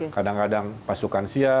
kadang kadang pasukan siap